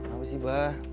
apa sih pak